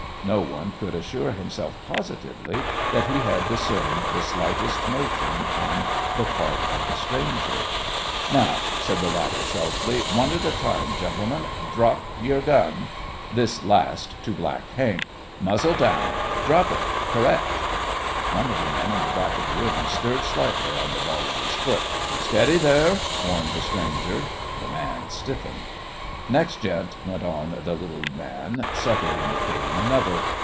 No one could assure himself positively that he had discerned the slightest motion on the part of the stranger. "Now," said the latter, sharply, "one at a time, gentlemen. Drop yore gun," this last to Black Hank, "muzzle down. Drop it! Correct!" One of the men in the back of the room stirred slightly on the ball of his foot. "Steady, there!" warned the stranger. The man stiffened. "Next gent," went on the little man, subtly indicating another.